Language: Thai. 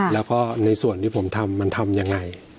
แล้วก็ในส่วนที่ผมทำมันทำยังไง